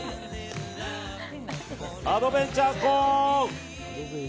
アドベンチャーコーン！